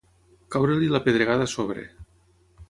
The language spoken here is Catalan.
Caure-li la pedregada a sobre.